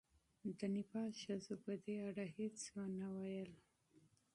د نېپال ښځو په دې اړه هېڅ ونه ویل.